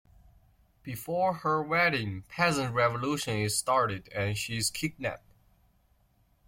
Before her wedding peasant revolution is started and she is kidnapped.